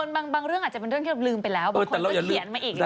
บางเรื่องอาจจะเป็นเรื่องที่เราลืมไปแล้ว